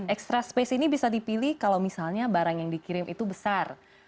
extra space ini bisa dipilih kalau misalnya barang yang dikirim itu besar